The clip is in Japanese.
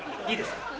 いいですか？